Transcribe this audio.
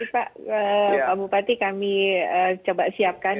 pak bupati kami coba siapkan